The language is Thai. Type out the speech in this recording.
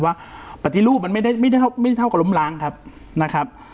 ว่าปฏิรูปมันไม่ได้ไม่ได้เท่ากับไม่ได้เท่ากับล้มล้างครับนะครับ